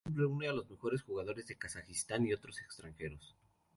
El club reúne a los mejores jugadores de Kazajistán y a otros extranjeros.